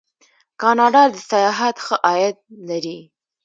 کاناډا د سیاحت ښه عاید لري.